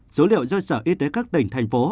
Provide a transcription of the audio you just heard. số liệu do sở y tế các tỉnh thành phố